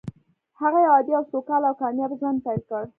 هغه يو عادي او سوکاله او کامياب ژوند پيل کړ.